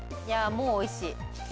いやもう美味しい。